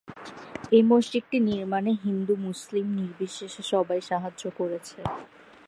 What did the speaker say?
এই মসজিদটি নির্মাণে হিন্দু মুসলিম নির্বিশেষে সবাই সাহায্য করেছে।